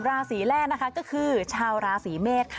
ราสีแรกก็คือชาวราสีเมษค่ะ